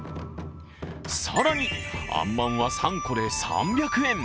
更に、あんまんは３個で３００円。